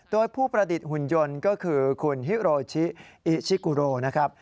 โดยผู้ประดิษฐ์หุ่นยนต์ก็คือคุณฮิโรชิอิชิกุโรนะครับ